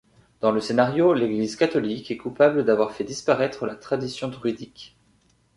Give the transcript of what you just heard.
Dans le scénario, l'église catholique est coupable d'avoir fait disparaître la tradition druidique.